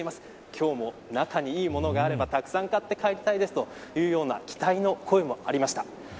今日も中にいい物があればたくさん買って帰りたいですというような期待の声もありました。